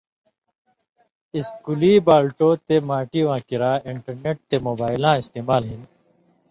اِسکُلی بالٹو تے ماٹی واں کریا انٹرنیٹ تے موبائلاں استعمال ہِن